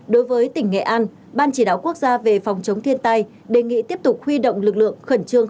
đối với tỉnh nghệ an ban chỉ đạo quốc gia về phòng chống thiên tai đề nghị tiếp tục huy động lực lượng khẩn trương